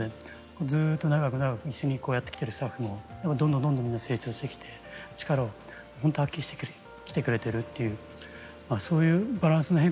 ずっと長く長く一緒にやってきてるスタッフもどんどんみんな成長してきて力をほんと発揮してきてくれてるというそういうバランスの変化ですかね。